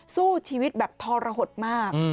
สู้ชีวิตแบบทรหดมาก